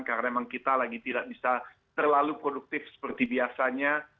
karena memang kita lagi tidak bisa terlalu produktif seperti biasanya